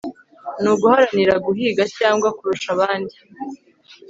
ni uguharanira guhiga cyangwa kurusha abandi